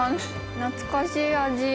懐かしい味